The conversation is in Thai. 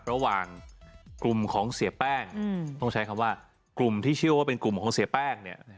ระหว่างกลุ่มของเสียแป้งต้องใช้คำว่ากลุ่มที่เชื่อว่าเป็นกลุ่มของเสียแป้งเนี่ย